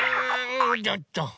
ちょっと。